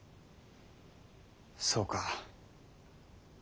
そうか。